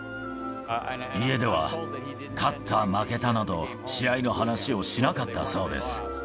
家では勝った負けたなど、試合の話をしなかったそうです。